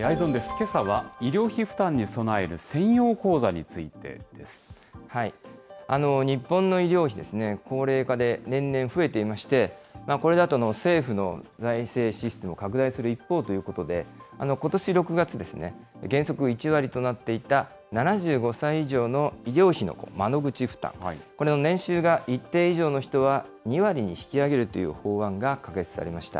けさは、医療費負担に備える専用口座につ日本の医療費ですね、高齢化で年々増えていまして、これだと政府の財政支出も拡大する一方ということで、ことし６月、原則１割となっていた７５歳以上の医療費の窓口負担、年収が一定以上の人は２割に引き上げるという法案が可決されました。